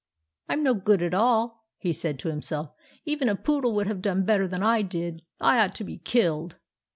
" I am no good at all," he said to himself. " Even a poodle would have done better than I did. I ought to be killed."